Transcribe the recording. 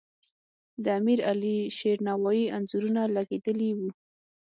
د امیر علیشیر نوایي انځورونه لګیدلي وو.